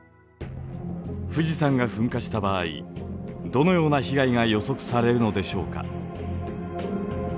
富士山が噴火した場合どのような被害が予測されるのでしょうか。